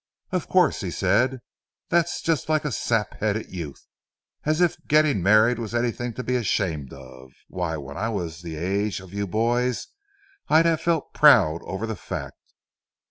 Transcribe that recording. "Of course," he said; "that's just like a sap headed youth, as if getting married was anything to be ashamed of. Why, when I was the age of you boys I'd have felt proud over the fact.